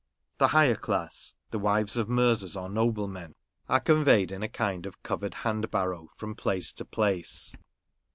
The higher class (the wives of Mirzas, or noblemen) are conveyed in a kind of covered hand barrow from place to place.